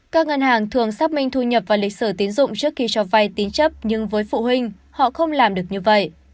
các ngân hàng thường xác minh thu nhập và lịch sử tín dụng trước khi cho vay tín chấp nhưng với phụ huynh họ không làm được như vậy